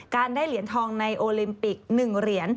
ได้เหรียญทองในโอลิมปิก๑เหรียญ